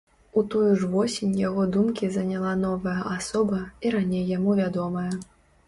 У тую ж восень яго думкі заняла новая асоба, і раней яму вядомая.